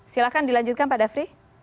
silahkan dilanjutkan pak dafri